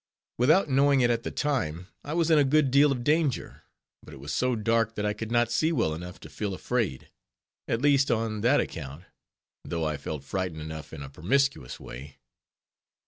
Without knowing it at the time, I was in a good deal of danger, but it was so dark that I could not see well enough to feel afraid—at least on that account; though I felt frightened enough in a promiscuous way.